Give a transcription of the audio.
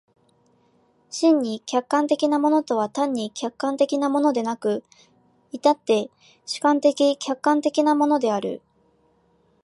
真に客観的なものとは単に客観的なものでなく、却って主観的・客観的なものである。